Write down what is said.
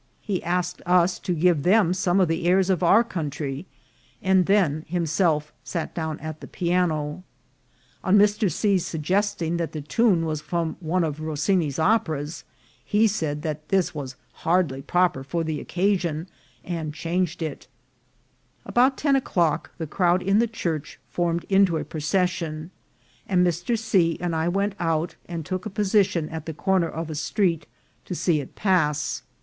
He asked us to give them some of the airs of our country, and then himself sat down at the piano. On Mr. C.'s suggesting that the tune was from one of Rossini's operas, he said that this was hardly proper for the occasion, and chan ged it. At about ten o'clock the crowd in the church formed into a procession, and Mr. C. and I went out and took a position at the corner of a street to see it pass.